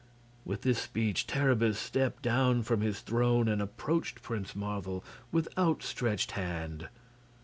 With this speech Terribus stepped down from his throne and approached Prince Marvel with outstretched hand.